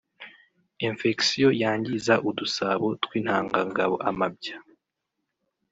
Infection yangiza udusabo tw’intangangabo (amabya)